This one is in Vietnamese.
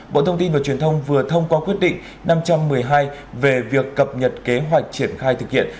bộ thông tin và truyền thông vừa thông qua quyết định năm trăm một mươi hai về việc cập nhật kế hoạch triển khai thực hiện